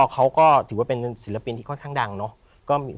เขาก็ถือว่าเป็นศิลปินที่ค่อนข้างดังเนาะ